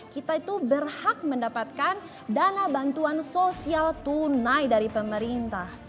kita itu berhak mendapatkan dana bantuan sosial tunai dari pemerintah